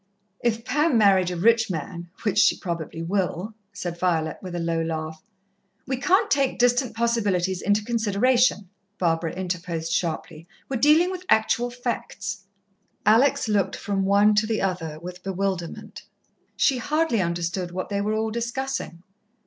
"If Pam married a rich man which she probably will," said Violet, with a low laugh. "We can't take distant possibilities into consideration," Barbara interposed sharply. "We're dealing with actual facts." Alex looked from one to the other with bewilderment. She hardly understood what they were all discussing.